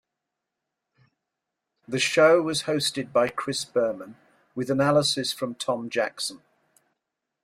The show was hosted by Chris Berman, with analysis from Tom Jackson.